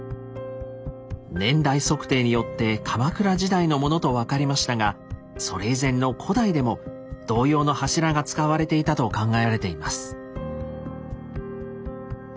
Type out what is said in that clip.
年代測定によって鎌倉時代のものと分かりましたがそれ以前の古代でも同様の柱が使われていたと考えられています。